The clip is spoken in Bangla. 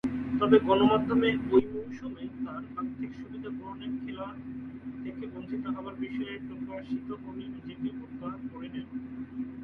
তবে, গণমাধ্যমে ঐ মৌসুমে তার আর্থিক সুবিধা গ্রহণের খেলা থেকে বঞ্চিত হবার বিষয় প্রকাশিত হলে নিজেকে প্রত্যাহার করে নেন।